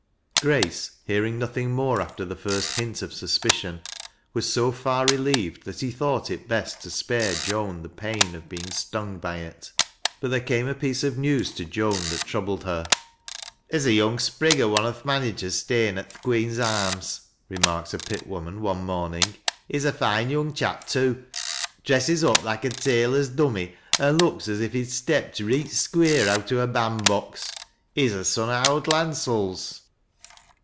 Grace, hearing nothing more after the first hint of suspicion, was so far relieved that he thought it best to spare Joan the pain of being stung by it. . But there came a piece of news to Joan that troubled her. " There's a young sprig o' one o' th' managers stayin' a< th' ' Queen's Arms,' " remarked a pit woman one morn ing. " He's a foine young chap, too — dresses up loike t. tailor's dummy, an' looks as if he'd stepped reet square out o' a bandbox. He's a son o' owd Landsell's."